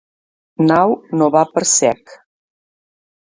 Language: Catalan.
Nau no va per sec.